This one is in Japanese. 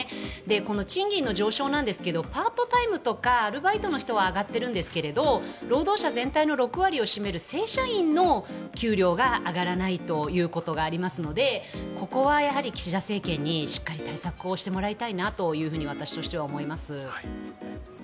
この賃金の上昇なんですがパートタイムとかアルバイトの人は上がっているんですが労働者全体の６割を占める正社員の給料が上がらないということがありますのでここは岸田政権にしっかり対策をしてもらいたいなと私としては思います。